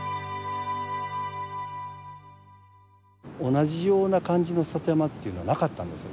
同じような感じの里山っていうのはなかったんですよね。